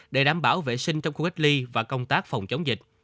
để đảm bảo vệ sinh trong khu cách ly và công tác phòng chống dịch